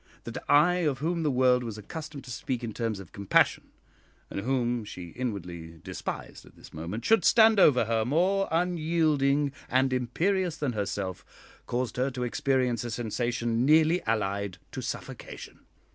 That I, of whom the world was accustomed to speak in terms of compassion, and whom she inwardly despised at this moment, should stand over her more unyielding and imperious than herself, caused her to experience a sensation nearly allied to suffocation.